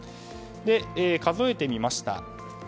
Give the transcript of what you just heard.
数えてみました。